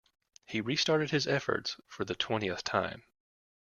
He restarted his efforts for the twentieth time.